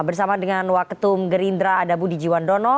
bersama dengan wak ketum gerindra ada budi jiwandono